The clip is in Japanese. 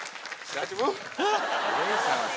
大丈夫？